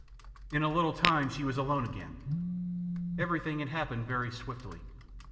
In a little time she was alone again. Everything had happened very swiftly.